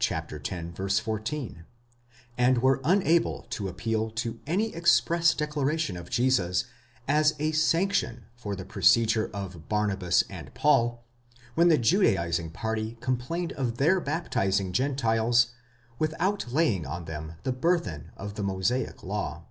14), and were unable to appeal to any express declaration of Jesus as a sanction for the procedure of Barnabas and Paul, when the judaizing party complained of their baptizing Gentiles without laying on them the burthen of the Mosaic law.